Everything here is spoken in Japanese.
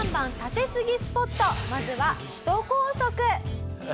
まずは首都高速。